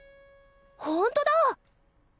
ほんとだ！